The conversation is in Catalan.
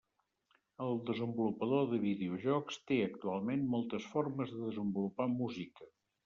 El desenvolupador de videojocs té actualment moltes formes de desenvolupar música.